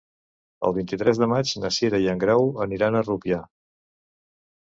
El vint-i-tres de maig na Cira i en Grau aniran a Rupià.